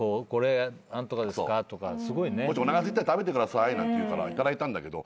おなかすいたら食べてくださいっていうからいただいたんだけど。